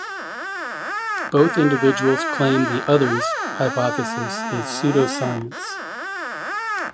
Both individuals claim the other's hypothesis is pseudoscience.